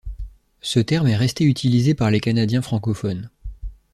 Ce terme est resté utilisé par les canadiens francophones.